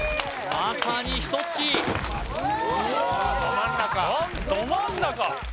まさに１突きど真ん中！